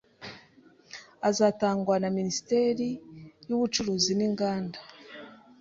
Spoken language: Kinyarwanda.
azatangwa na Minisiteri y’Ubucuruzi n’Inganda.